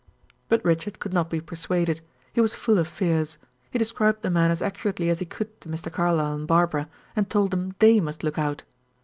But Richard could not be persuaded; he was full of fears. He described the man as accurately as he could to Mr. Carlyle and Barbara, and told them they must look out.